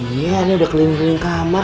ini udah keliling keliling kamar